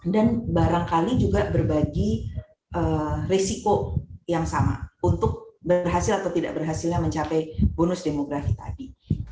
dan barangkali juga berbagi risiko yang sama untuk berhasil atau tidak berhasilnya mencapai bonus demografi tadi